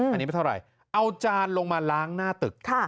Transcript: อันนี้ไม่เท่าไหร่เอาจานลงมาล้างหน้าตึก